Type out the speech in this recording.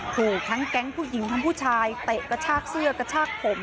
ถูกทั้งแก๊งผู้หญิงทั้งผู้ชายเตะกระชากเสื้อกระชากผม